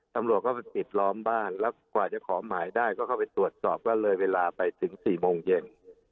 ตำรวจก็ไปปิดล้อมบ้านแล้วกว่าจะขอหมายได้ก็เข้าไปตรวจสอบก็เลยเวลาไปถึง๔โมงเย็น